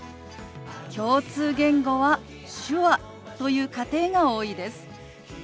共通言語は手話という家庭が多いです。